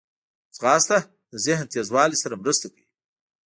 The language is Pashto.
ځغاسته د ذهن تیزوالي سره مرسته کوي